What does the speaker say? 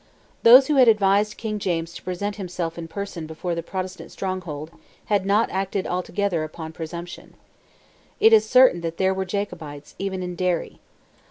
Those who had advised King James to present himself in person before the Protestant stronghold, had not acted altogether, upon presumption. It is certain that there were Jacobites, even in Derry.